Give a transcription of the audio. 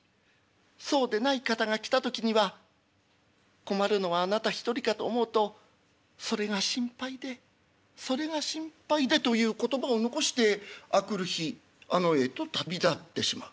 そうでない方が来た時には困るのはあなた一人かと思うとそれが心配でそれが心配で」という言葉を残して明くる日あの世へと旅立ってしまう。